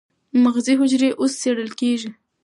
مغزي حجرې اوس څېړل کېږي.